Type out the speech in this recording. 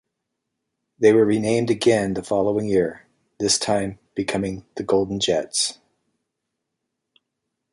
They were renamed again the following year, this time becoming the Golden Jets.